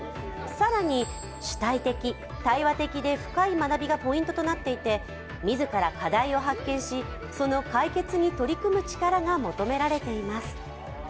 更に、主体的・対話的で深い学びがポイントとなっていて自ら課題を発見し、その解決に取り組む力が求められています。